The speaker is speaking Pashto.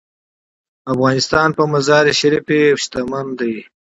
افغانستان په مزارشریف غني دی.